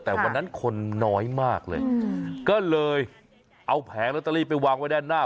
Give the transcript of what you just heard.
แต่วันนั้นคนน้อยมากเลยก็เลยเอาแผงลอตเตอรี่ไปวางไว้ด้านหน้า